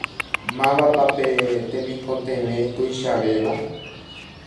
Mávapa pe temikotevẽ tuichavéva?